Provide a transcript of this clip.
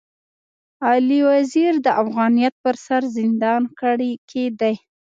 علي وزير د افغانيت پر سر زندان کي دی.